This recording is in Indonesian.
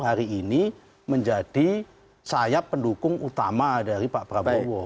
hari ini menjadi sayap pendukung utama dari pak prabowo